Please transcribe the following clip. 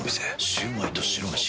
シュウマイと白めし。